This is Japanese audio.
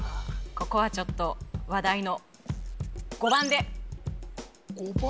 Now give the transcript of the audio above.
ここはちょっと話題の５番で５番？